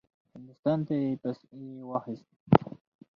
هندوستان ته یې پسې واخیست.